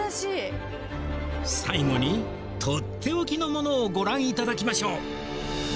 最後に取って置きのものをご覧いただきましょう！